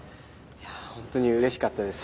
ホントにうれしかったです。